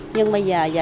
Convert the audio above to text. nhưng bây giờ dịch